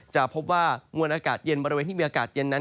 จะพบว่ามวลอากาศเย็นบริเวณที่มีอากาศเย็นนั้น